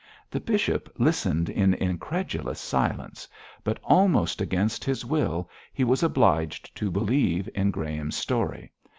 The bishop listened in incredulous silence; but, almost against his will, he was obliged to believe in Graham's story.